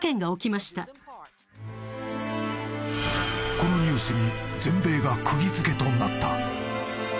［このニュースに全米が釘付けとなった］